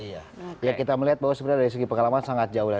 iya kita melihat bahwa sebenarnya dari segi pengalaman sangat jauh lah